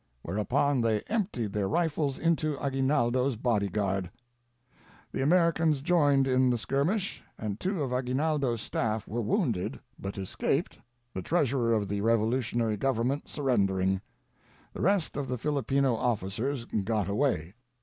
whereupon they emptied their rifles into Aguinaldo's body guard. ..." The Americans joined in the skirmish, and two of Aguinaldo's staff were wounded, but escaped, the treasurer of the revolutionary government surrendering. The rest of the Filipino officers got away.